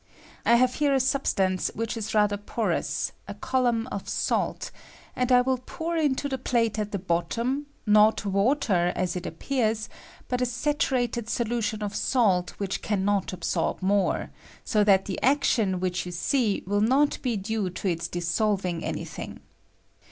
I hare here a s which is rather porous — a column of salt — and I will pour into the plate at the bottom, not water, as it appears, bat a saturated solution of salt which can not absoib more, so that the action which you see will not he due to its dissolving any thing.